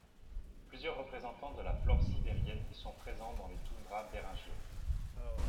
Plusieurs représentants de la flore sibérienne sont présents dans les toundras béringiennes.